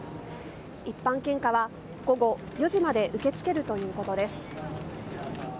一般献花は午後４時まで受け付けるということです。